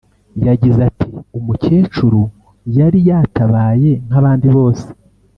yagize ati “Umukecuru yari yatabaye nk’abandi bose